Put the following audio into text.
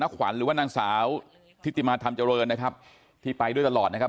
ขวัญหรือว่านางสาวทิติมาธรรมเจริญนะครับที่ไปด้วยตลอดนะครับ